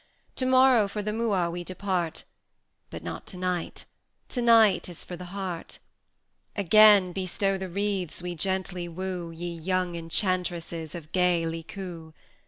To morrow for the Mooa we depart, But not to night to night is for the heart. Again bestow the wreaths we gently woo, Ye young Enchantresses of gay Licoo!